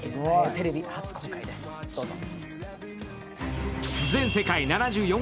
テレビ初公開です、どうぞ！